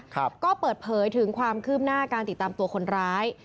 ก็เปิดเผยถึงความคืบหน้าการติดตามตัวคนร้าย